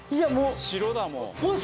城だもう。